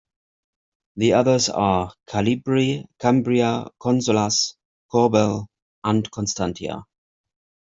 The others are Calibri, Cambria, Consolas, Corbel and Constantia.